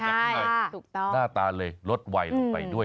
หน้าตาเลยลดไวลงไปด้วย